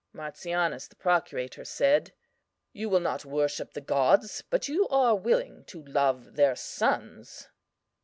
"MARTIANUS, the procurator, said: You will not worship the gods, but you are willing to love their sons.